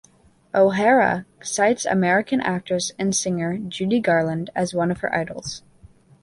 O'Hara cites American actress and singer Judy Garland as one of her idols.